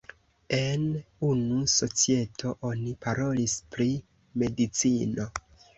En unu societo oni parolis pri medicino.